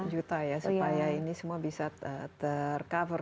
lima puluh enam puluh juta ya supaya ini semua bisa ter cover